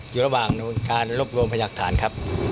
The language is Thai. อยู่ระหว่างการรวบรวมพยากฐานครับ